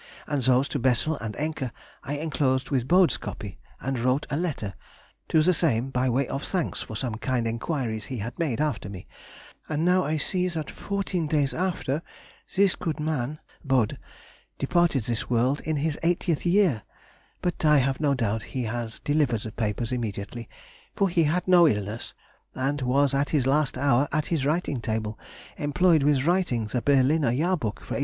And those to Bessel and Encke I enclosed with Bode's copy, and wrote a letter to the same by way of thanks for some kind enquiries he had made after me; and now I see that fourteen days after this good man [Bode] departed this world in his eightieth year, but I have no doubt he has delivered the papers immediately, for he had no illness, and was at his last hour at his writing table employed with writing the Berliner Jahrbuch for 1830.